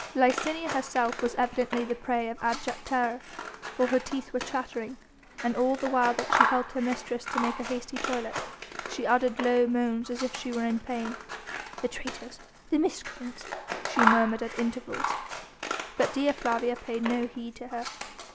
Licinia herself was evidently the prey of abject terror, for her teeth were chattering, and all the while that she helped her mistress to make a hasty toilet, she uttered low moans as if she were in pain. "The traitors! the miscreants!" she murmured at intervals. But Dea Flavia paid no heed to her.